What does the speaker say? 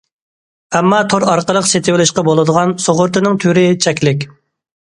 ئەمما تور ئارقىلىق سېتىۋېلىشقا بولىدىغان سۇغۇرتىنىڭ تۈرى چەكلىك.